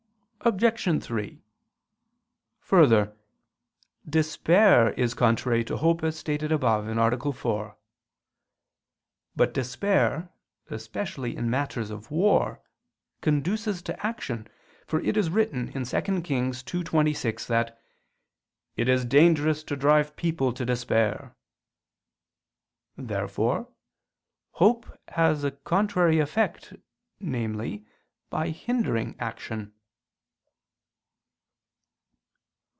Obj. 3: Further, despair is contrary to hope, as stated above (A. 4). But despair, especially in matters of war, conduces to action; for it is written (2 Kings 2:26), that "it is dangerous to drive people to despair." Therefore hope has a contrary effect, namely, by hindering action.